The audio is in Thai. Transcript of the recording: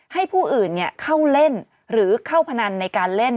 ให้ผู้อื่นเข้าเล่นหรือเข้าพนันในการเล่น